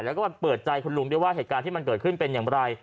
แล้วก็มาเปิดใจคุณลุงด้วยว่าเหตุการณ์ที่มันเกิดขึ้นเป็นอย่างไร